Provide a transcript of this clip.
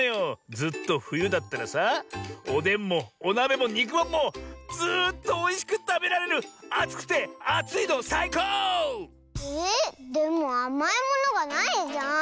ずっとふゆだったらさおでんもおなべもにくまんもずっとおいしくたべられるあつくてあついのさいこう！えっでもあまいものがないじゃん。